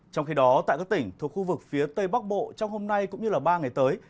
trong khi đó tại các tỉnh thuộc khu vực phía tây bắc bộ trong hôm nay cũng như ba ngày tới